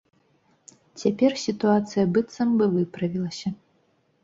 Цяпер сітуацыя быццам бы выправілася.